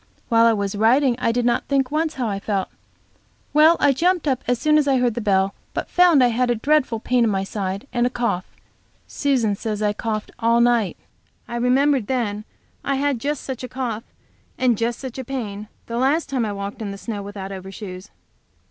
While I was writing I did not once think how I felt. Well, I jumped up as soon as I heard the bell, but found I had a dreadful pain in my side, and a cough. Susan says I coughed all night. I remembered then that I had just such a cough and just such a pain the last time I walked in the snow without overshoes.